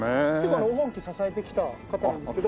黄金期を支えてきた方なんですけど。